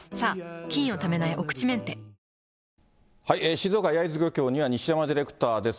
静岡・焼津漁港には、西山ディレクターです。